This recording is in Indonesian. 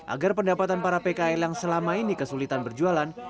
agar pendapatan para pkl yang selama ini kesulitan berjualan